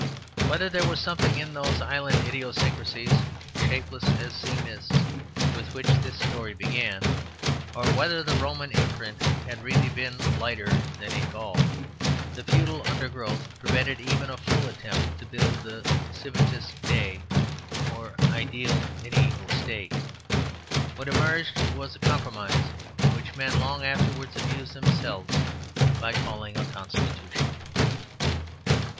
Whether there was something in those island idiosyncracies, shapeless as sea mists, with which this story began, or whether the Roman imprint had really been lighter than in Gaul, the feudal undergrowth prevented even a full attempt to build the Civitas Dei, or ideal mediæval state. What emerged was a compromise, which men long afterwards amused themselves by calling a constitution.